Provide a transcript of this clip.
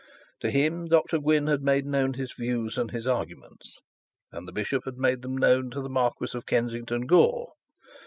To him Dr Gwynne had made known his wishes and his arguments, and the bishop had made them known to the Marquis of Kensington Gore.